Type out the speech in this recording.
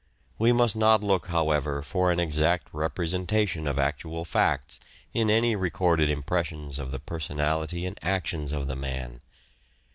We must not look, however, for an exact representation of actual facts in any recorded impressions of the personality and actions of the man.